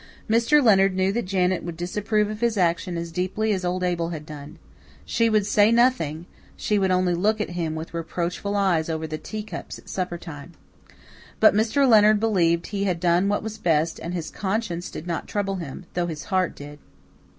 Mr. Leonard knew that Janet would disapprove of his action as deeply as old Abel had done. She would say nothing, she would only look at him with reproachful eyes over the teacups at suppertime. But Mr. Leonard believed he had done what was best and his conscience did not trouble him, though his heart did.